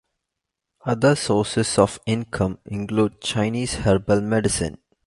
Other sources of income include Chinese herbal medicine.